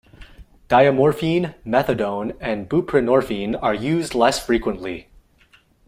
Diamorphine, methadone and buprenorphine are used less frequently.